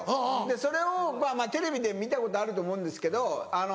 それをまぁテレビで見たことあると思うんですけどあの。